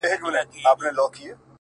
o ته يې بد ايسې،